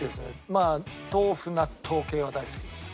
まあ豆腐納豆系は大好きです。